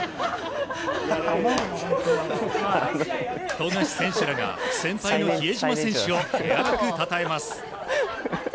富樫選手らが先輩の比江島選手を手荒くたたえます。